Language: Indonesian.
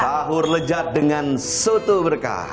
sahur lezat dengan soto berkah